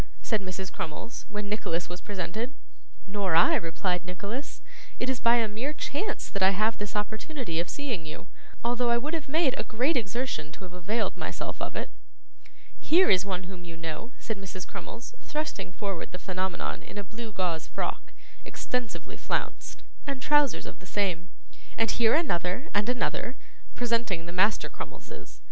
said Mrs. Crummles, when Nicholas was presented. 'Nor I,' replied Nicholas. 'It is by a mere chance that I have this opportunity of seeing you, although I would have made a great exertion to have availed myself of it.' 'Here is one whom you know,' said Mrs. Crummles, thrusting forward the Phenomenon in a blue gauze frock, extensively flounced, and trousers of the same; 'and here another and another,' presenting the Master Crummleses.